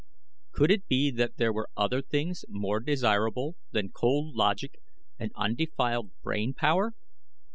Could it be that there were other things more desirable than cold logic and undefiled brain power?